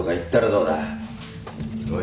おい。